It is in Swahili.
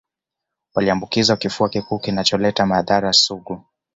Waliambukizwa kifua kikuu kinacholeta madhara sugu